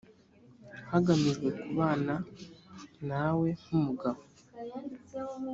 hagamijwe kubana nawe nk umugabo